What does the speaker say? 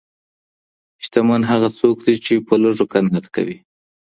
شتمن هغه څوک دی چي په لږو قناعت کوي.